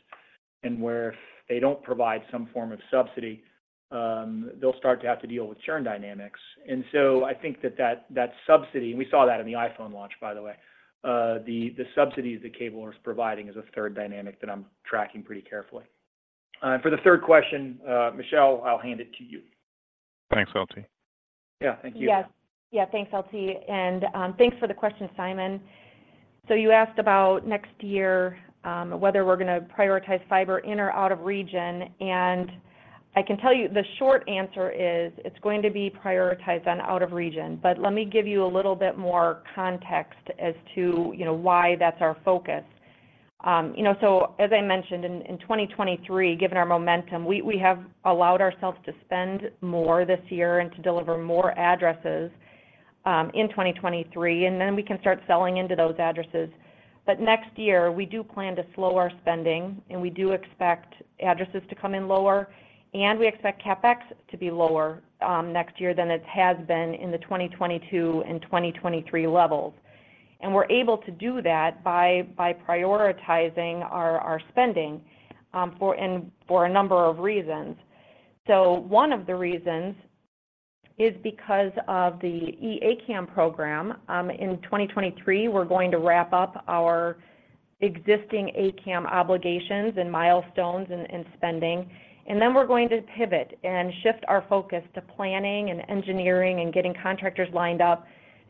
Speaker 4: and where if they don't provide some form of subsidy, they'll start to have to deal with churn dynamics. And so I think that, that, that subsidy, and we saw that in the iPhone launch, by the way, the, the subsidies the cable are providing is a third dynamic that I'm tracking pretty carefully. For the third question, Michelle, I'll hand it to you.
Speaker 9: Thanks, L.T.
Speaker 4: Yeah. Thank you.
Speaker 6: Yes. Yeah, thanks, L.T., and thanks for the question, Simon. So you asked about next year, whether we're going to prioritize fiber in or out of region, and I can tell you the short answer is, it's going to be prioritized on out of region. But let me give you a little bit more context as to, you know, why that's our focus. You know, so as I mentioned in 2023, given our momentum, we have allowed ourselves to spend more this year and to deliver more addresses in 2023, and then we can start selling into those addresses. But next year, we do plan to slow our spending, and we do expect addresses to come in lower, and we expect CapEx to be lower next year than it has been in the 2022 and 2023 levels. We're able to do that by prioritizing our spending for a number of reasons. So one of the reasons is because of the E-ACAM program. In 2023, we're going to wrap up our existing ACAM obligations and milestones and spending, and then we're going to pivot and shift our focus to planning and engineering and getting contractors lined up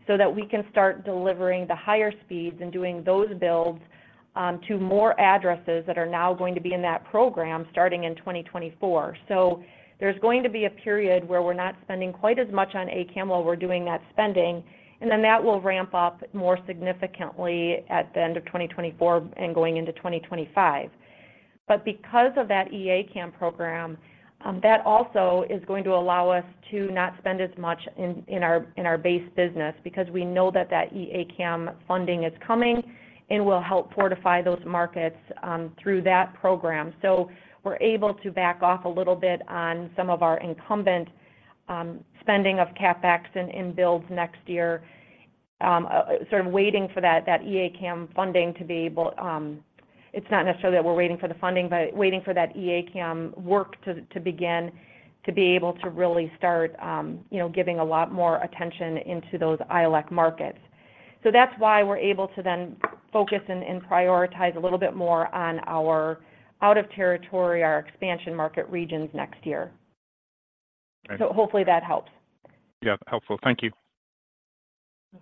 Speaker 6: so that we can start delivering the higher speeds and doing those builds to more addresses that are now going to be in that program, starting in 2024. So there's going to be a period where we're not spending quite as much on ACAM while we're doing that spending, and then that will ramp up more significantly at the end of 2024 and going into 2025. But because of that E-ACAM program, that also is going to allow us to not spend as much in our base business, because we know that that E-ACAM funding is coming and will help fortify those markets through that program. So we're able to back off a little bit on some of our incumbent spending of CapEx and in builds next year, sort of waiting for that E-ACAM funding to be able. It's not necessarily that we're waiting for the funding, but waiting for that E-ACAM work to begin, to be able to really start, you know, giving a lot more attention into those ILEC markets. So that's why we're able to then focus and prioritize a little bit more on our out-of-territory, our expansion market regions next year.
Speaker 9: Okay.
Speaker 6: Hopefully that helps.
Speaker 9: Yeah, helpful. Thank you.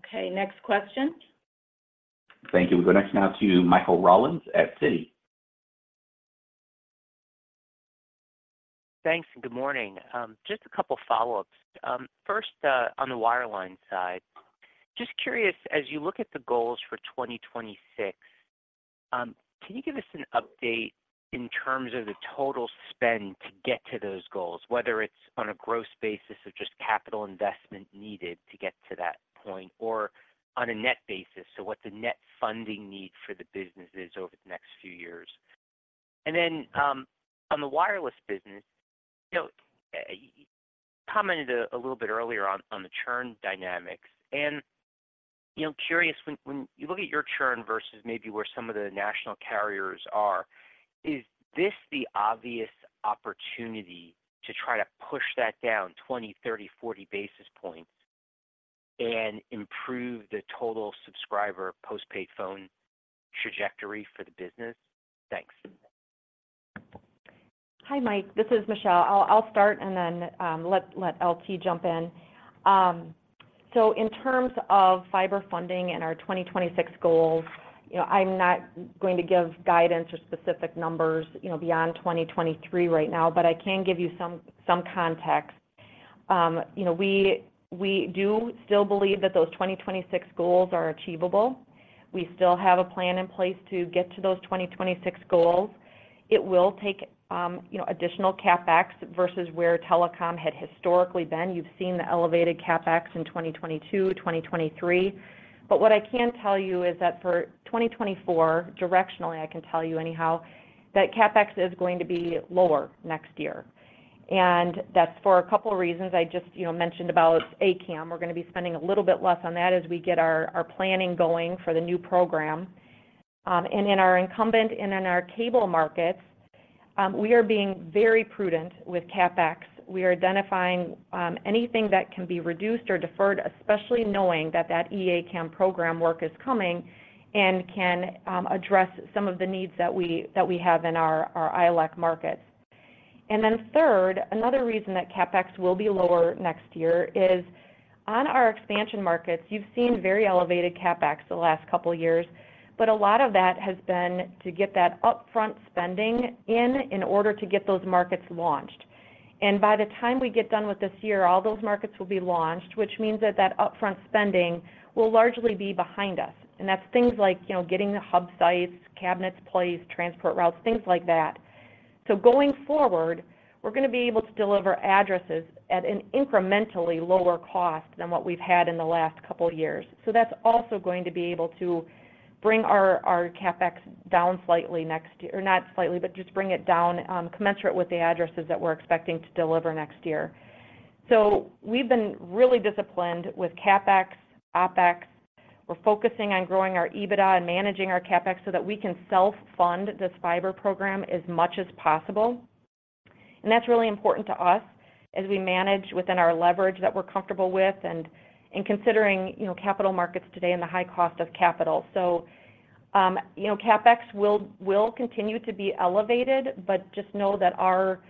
Speaker 6: Okay, next question.
Speaker 1: Thank you. We go next now to Michael Rollins at Citi.
Speaker 10: Thanks, and good morning. Just a couple follow-ups. First, on the wireline side, just curious, as you look at the goals for 2026, can you give us an update in terms of the total spend to get to those goals, whether it's on a gross basis or just capital investment needed to get to that point or on a net basis, so what the net funding need for the business is over the next few years? And then, on the wireless business, you know, you commented a little bit earlier on, on the churn dynamics. And, you know, curious, when, when you look at your churn versus maybe where some of the national carriers are, is this the obvious opportunity to try to push that down 20, 30, 40 basis points and improve the total subscriber postpaid phone trajectory for the business? Thanks.
Speaker 6: Hi, Mike. This is Michelle. I'll start and then let L.T. jump in. So in terms of fiber funding and our 2026 goals, you know, I'm not going to give guidance or specific numbers, you know, beyond 2023 right now, but I can give you some context. You know, we do still believe that those 2026 goals are achievable. We still have a plan in place to get to those 2026 goals. It will take, you know, additional CapEx versus where telecom had historically been. You've seen the elevated CapEx in 2022, 2023. But what I can tell you is that for 2024, directionally, I can tell you anyhow, that CapEx is going to be lower next year. And that's for a couple of reasons. I just, you know, mentioned about A-CAM. We're going to be spending a little bit less on that as we get our planning going for the new program. In our incumbent and in our cable markets, we are being very prudent with CapEx. We are identifying anything that can be reduced or deferred, especially knowing that that E-ACAM program work is coming and can address some of the needs that we have in our ILEC markets. Then third, another reason that CapEx will be lower next year is on our expansion markets, you've seen very elevated CapEx the last couple of years, but a lot of that has been to get that upfront spending in order to get those markets launched. By the time we get done with this year, all those markets will be launched, which means that that upfront spending will largely be behind us. That's things like, you know, getting the hub sites, cabinets placed, transport routes, things like that. Going forward, we're going to be able to deliver addresses at an incrementally lower cost than what we've had in the last couple of years. That's also going to be able to bring our CapEx down slightly next year, or not slightly, but just bring it down, commensurate with the addresses that we're expecting to deliver next year. We've been really disciplined with CapEx, OpEx. We're focusing on growing our EBITDA and managing our CapEx so that we can self-fund this fiber program as much as possible. That's really important to us as we manage within our leverage that we're comfortable with, and in considering, you know, capital markets today and the high cost of capital. So, you know, CapEx will continue to be elevated, but just know that our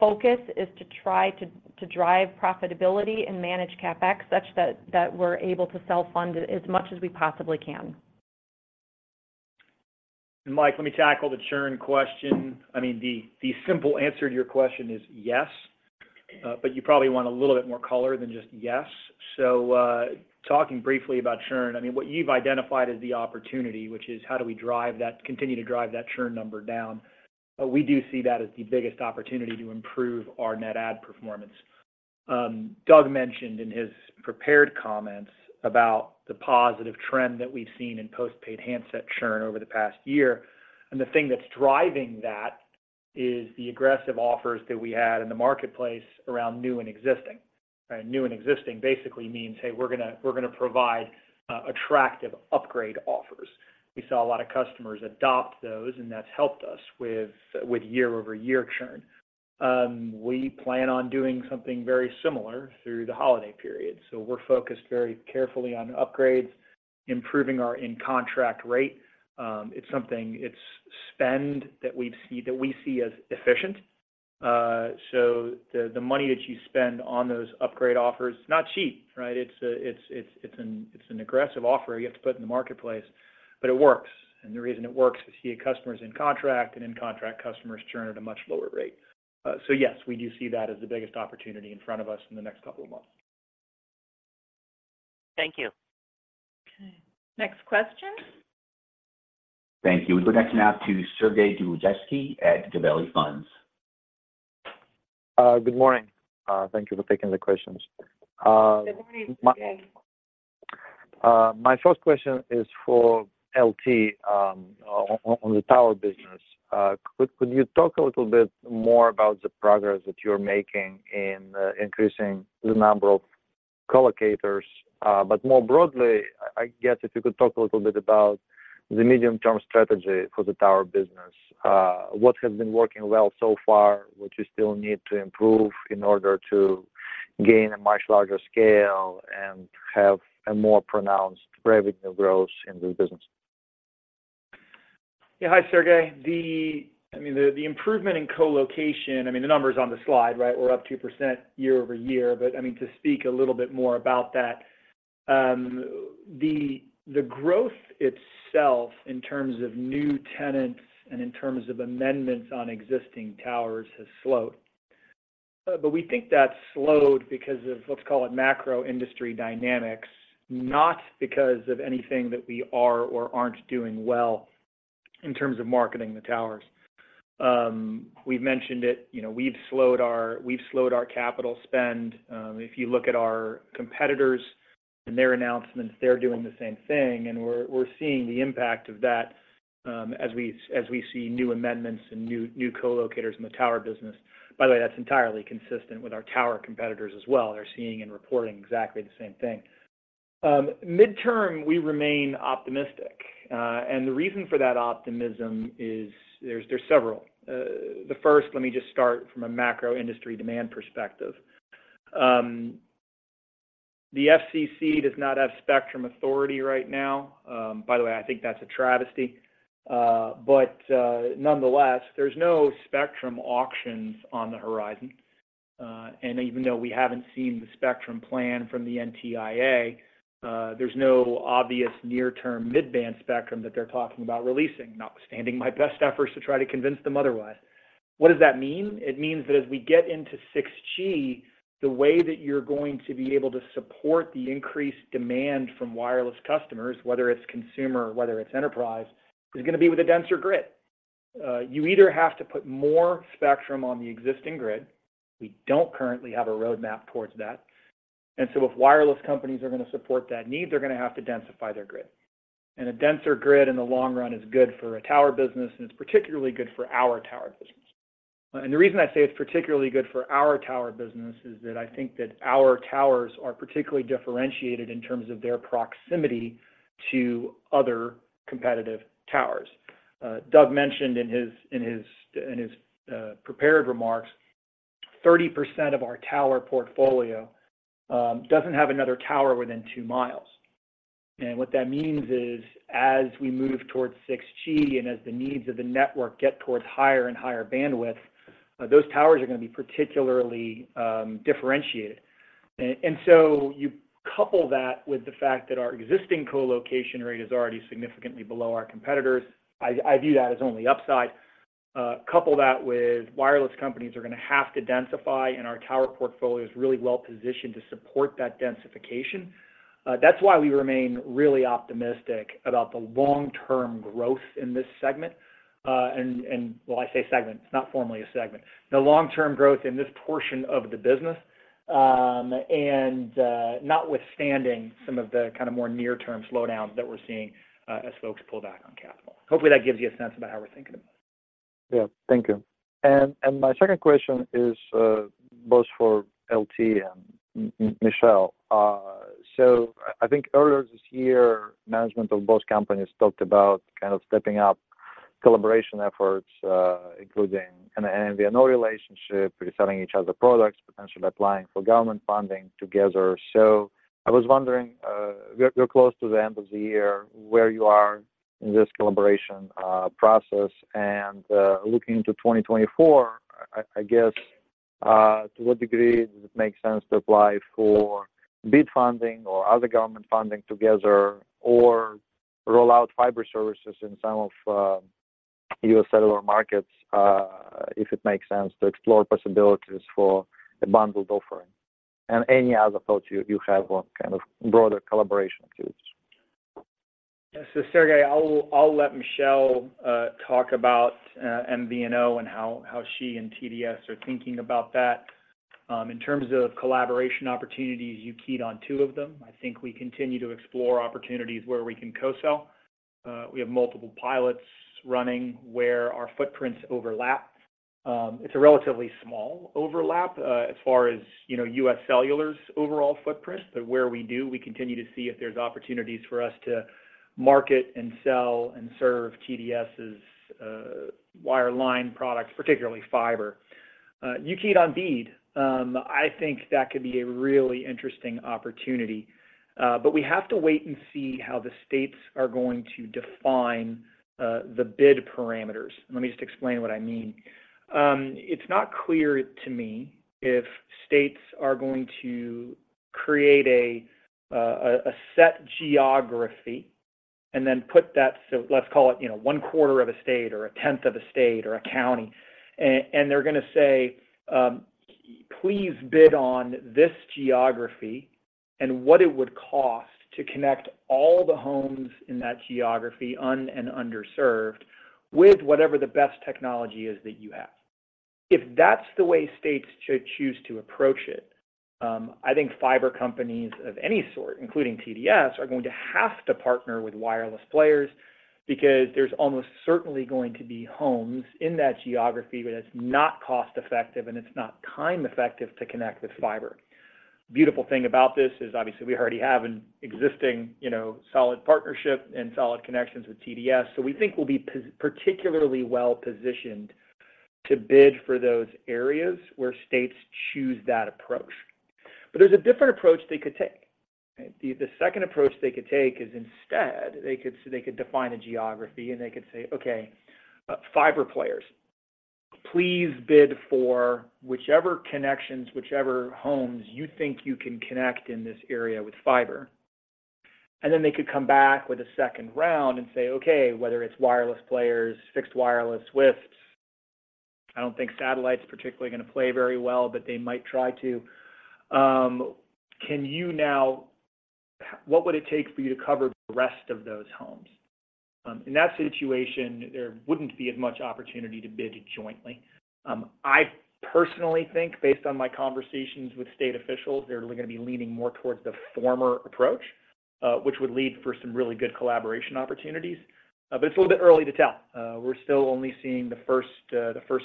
Speaker 6: focus is to try to drive profitability and manage CapEx such that we're able to self-fund it as much as we possibly can.
Speaker 4: Mike, let me tackle the churn question. I mean, the simple answer to your question is yes. But you probably want a little bit more color than just yes. So, talking briefly about churn, I mean, what you've identified as the opportunity, which is how do we continue to drive that churn number down? But we do see that as the biggest opportunity to improve our net add performance. Doug mentioned in his prepared comments about the positive trend that we've seen in postpaid handset churn over the past year, and the thing that's driving that is the aggressive offers that we had in the marketplace around new and existing. Right? New and existing basically means, hey, we're gonna provide attractive upgrade offers. We saw a lot of customers adopt those, and that's helped us with YoY churn. We plan on doing something very similar through the holiday period. So we're focused very carefully on upgrades, improving our in-contract rate. It's spending that we see as efficient. So the money that you spend on those upgrade offers, it's not cheap, right? It's an aggressive offer you have to put in the marketplace, but it works. And the reason it works is you get customers in contract, and in contract customers churn at a much lower rate. So yes, we do see that as the biggest opportunity in front of us in the next couple of months.
Speaker 10: Thank you.
Speaker 6: Okay. Next question?
Speaker 1: Thank you. We go next now to Sergey Dluzhevskiy at Gabelli Funds.
Speaker 11: Good morning. Thank you for taking the questions.
Speaker 6: Good morning, Sergey.
Speaker 11: My first question is for L.T., on the tower business. Could you talk a little bit more about the progress that you're making in increasing the number of collocators? But more broadly, I guess if you could talk a little bit about the medium-term strategy for the tower business. What has been working well so far? What you still need to improve in order to gain a much larger scale and have a more pronounced revenue growth in the business?
Speaker 4: Yeah. Hi, Sergey. I mean, the improvement in colocation, I mean, the number is on the slide, right? We're up 2% YoY. But I mean, to speak a little bit more about that, the growth itself in terms of new tenants and in terms of amendments on existing towers has slowed. But we think that slowed because of, let's call it, macro industry dynamics, not because of anything that we are or aren't doing well in terms of marketing the towers. We've mentioned it, you know, we've slowed our capital spend. If you look at our competitors and their announcements, they're doing the same thing, and we're seeing the impact of that, as we see new amendments and new collocators in the tower business. By the way, that's entirely consistent with our tower competitors as well. They're seeing and reporting exactly the same thing. Midterm, we remain optimistic, and the reason for that optimism is there's several. The first, let me just start from a macro industry demand perspective. The FCC does not have spectrum authority right now. By the way, I think that's a travesty. But nonetheless, there's no spectrum auctions on the horizon. And even though we haven't seen the spectrum plan from the NTIA, there's no obvious near-term mid-band spectrum that they're talking about releasing, notwithstanding my best efforts to try to convince them otherwise. What does that mean? It means that as we get into 6G, the way that you're going to be able to support the increased demand from wireless customers, whether it's consumer, or whether it's enterprise, is gonna be with a denser grid. You either have to put more spectrum on the existing grid, we don't currently have a roadmap towards that, and so if wireless companies are gonna support that need, they're gonna have to densify their grid. And a denser grid in the long run is good for a tower business, and it's particularly good for our tower business. And the reason I say it's particularly good for our tower business is that I think that our towers are particularly differentiated in terms of their proximity to other competitive towers. Doug mentioned in his prepared remarks, 30% of our tower portfolio doesn't have another tower within two miles. And what that means is, as we move towards 6G and as the needs of the network get towards higher and higher bandwidth, those towers are gonna be particularly differentiated. And so you couple that with the fact that our existing colocation rate is already significantly below our competitors, I view that as only upside. Couple that with wireless companies are gonna have to densify, and our tower portfolio is really well positioned to support that densification. That's why we remain really optimistic about the long-term growth in this segment. Well, I say segment, it's not formally a segment. The long-term growth in this portion of the business, notwithstanding some of the kind of more near-term slowdowns that we're seeing, as folks pull back on capital. Hopefully, that gives you a sense about how we're thinking about it. ...
Speaker 11: Yeah, thank you. And my second question is both for L.T. and Michelle. So I think earlier this year, management of both companies talked about kind of stepping up collaboration efforts, including an MVNO relationship, reselling each other products, potentially applying for government funding together. So I was wondering, we're close to the end of the year, where you are in this collaboration process? And looking into 2024, I guess, to what degree does it make sense to apply for BEAD funding or other government funding together, or roll out fiber services in some of UScellular markets, if it makes sense to explore possibilities for a bundled offering? And any other thoughts you have on kind of broader collaboration opportunities.
Speaker 4: So, Sergey, I'll let Michelle talk about MVNO and how she and TDS are thinking about that. In terms of collaboration opportunities, you keyed on two of them. I think we continue to explore opportunities where we can co-sell. We have multiple pilots running where our footprints overlap. It's a relatively small overlap, as far as, you know, UScellular's overall footprint. But where we do, we continue to see if there's opportunities for us to market and sell and serve TDS's wireline products, particularly fiber. You keyed on BEAD. I think that could be a really interesting opportunity, but we have to wait and see how the states are going to define the bid parameters. Let me just explain what I mean. It's not clear to me if states are going to create a set geography and then put that—so let's call it, you know, one quarter of a state or a tenth of a state or a county. And they're gonna say, "Please bid on this geography and what it would cost to connect all the homes in that geography, unserved and underserved, with whatever the best technology is that you have." If that's the way states should choose to approach it, I think fiber companies of any sort, including TDS, are going to have to partner with wireless players because there's almost certainly going to be homes in that geography, but it's not cost effective, and it's not time effective to connect with fiber. Beautiful thing about this is, obviously, we already have an existing, you know, solid partnership and solid connections with TDS, so we think we'll be particularly well positioned to bid for those areas where states choose that approach. But there's a different approach they could take. The second approach they could take is instead, they could define a geography, and they could say, "Okay, fiber players, please bid for whichever connections, whichever homes you think you can connect in this area with fiber." And then they could come back with a second round and say, "Okay, whether it's wireless players, fixed wireless, WISPs," I don't think satellite's particularly gonna play very well, but they might try to. Can you now, what would it take for you to cover the rest of those homes? In that situation, there wouldn't be as much opportunity to bid jointly. I personally think, based on my conversations with state officials, they're gonna be leaning more towards the former approach, which would lead for some really good collaboration opportunities. But it's a little bit early to tell. We're still only seeing the first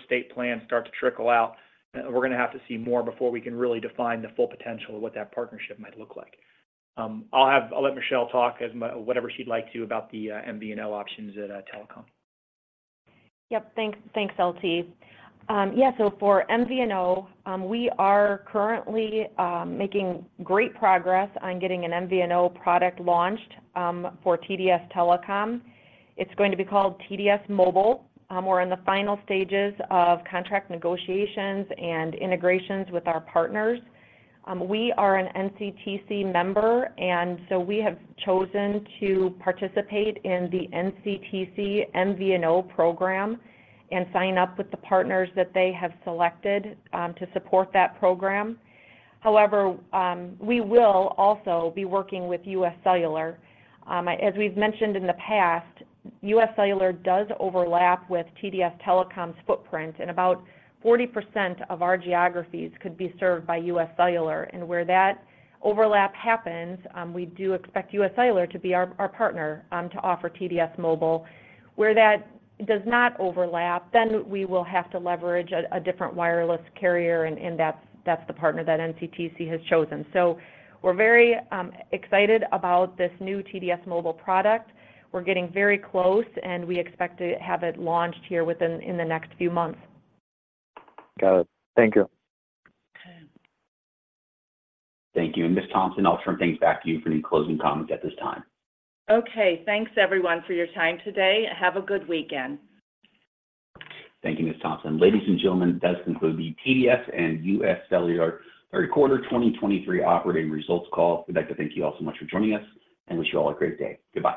Speaker 4: state plan start to trickle out. We're gonna have to see more before we can really define the full potential of what that partnership might look like. I'll let Michelle talk whatever she'd like to about the MVNO options at Telecom.
Speaker 6: Yep. Thanks, thanks, L.T.. Yeah, so for MVNO, we are currently making great progress on getting an MVNO product launched for TDS Telecom. It's going to be called TDS Mobile. We're in the final stages of contract negotiations and integrations with our partners. We are an NCTC member, and so we have chosen to participate in the NCTC MVNO program and sign up with the partners that they have selected to support that program. However, we will also be working with UScellular. As we've mentioned in the past, UScellular does overlap with TDS Telecom's footprint, and about 40% of our geographies could be served by UScellular. And where that overlap happens, we do expect UScellular to be our partner to offer TDS Mobile. Where that does not overlap, then we will have to leverage a different wireless carrier, and that's the partner that NCTC has chosen. So we're very excited about this new TDS Mobile product. We're getting very close, and we expect to have it launched here within the next few months.
Speaker 11: Got it. Thank you.
Speaker 6: Okay.
Speaker 1: Thank you. And Ms. Thompson, I'll turn things back to you for any closing comments at this time.
Speaker 2: Okay. Thanks, everyone, for your time today, and have a good weekend.
Speaker 1: Thank you, Ms. Thompson. Ladies and gentlemen, this concludes the TDS and UScellular third quarter 2023 operating results call. We'd like to thank you all so much for joining us and wish you all a great day. Goodbye.